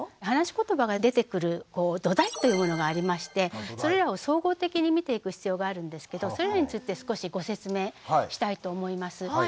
話しことばが出てくる土台というものがありましてそれらを総合的に見ていく必要があるんですけどそれらについて少しご説明したいと思います。